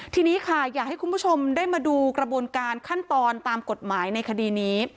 ทีนี้ค่ะอยากให้คุณผู้ชมได้มาดูกระบวนการขั้นตอนตามกฎหมายในคดีนี้